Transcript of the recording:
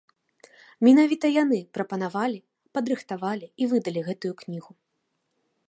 Менавіта яны прапанавалі, падрыхтавалі і выдалі гэтую кнігу.